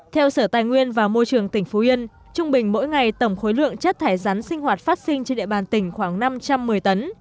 theo sở tài nguyên và môi trường tỉnh phú yên trung bình mỗi ngày tổng khối lượng chất thải rắn sinh hoạt phát sinh trên địa bàn tỉnh khoảng năm trăm một mươi tấn